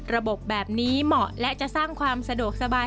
ระบบแบบนี้เหมาะและจะสร้างความสะดวกสบาย